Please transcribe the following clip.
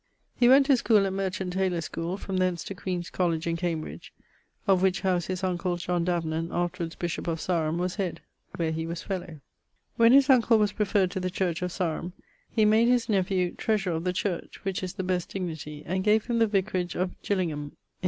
He went to school at Merchant Taylors' school, from thence to Queen's Colledge in Cambridge, of which house his uncle, John Davenant, (afterwards bishop of Sarum), was head, where he was fellowe. When his uncle was preferred to the church of Sarum, he made his nephew treasurer of the church, which is the best dignity, and gave him the vicaridge of Gillingham in com.